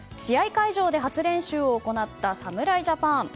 会場で初練習を行った侍ジャパン。